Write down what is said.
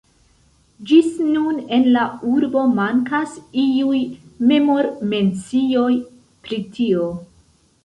Ĝis nun en la urbo mankas iuj memor-mencioj pri tio.